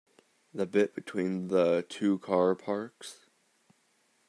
The bit between the two car parks?